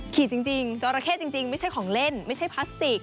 จริงจราเข้จริงไม่ใช่ของเล่นไม่ใช่พลาสติก